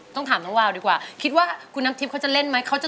ต้องถามน้องวาวดีกว่าคิดว่าคุณน้ำทิพย์เขาจะเล่นไหม